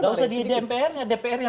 nggak usah di idmpr nya